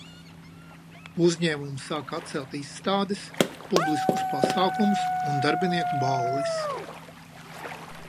Uzņēmumi sāk atcelt izstādes, publiskus pasākumus un darbinieku balles.